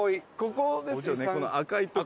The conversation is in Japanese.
この赤いとこ。